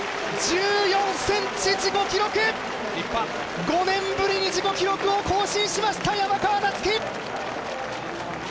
８ｍ１４ｃｍ、自己記録、５年ぶりに自己記録を更新しました山川夏輝！